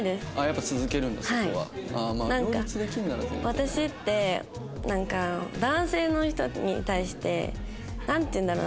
私ってなんか男性の人に対してなんていうんだろう？